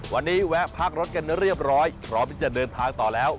วันนี้แวะพักรถกันเรียบร้อยพร้อมที่จะเดินทางต่อแล้ว